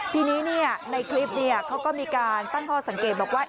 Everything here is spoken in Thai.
ทีนี้เนี่ยในคลิปเนี่ยเขาก็มีการตั้งพอสังเกตบอกว่า